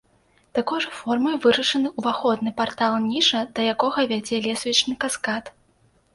Такой жа формай вырашаны ўваходны партал-ніша, да якога вядзе лесвічны каскад.